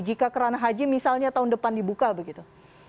jika kerana haji misalnya tahun depan dibuka begitu